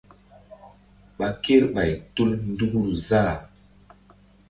Ɓa kerɓay tul ndukru záh.